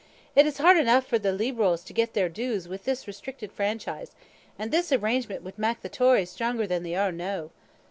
"It is hard eneuch for the Leeberals to get their dues wi' this restricted franchise; an' this arrangement would mak the Tories stronger than they are noo."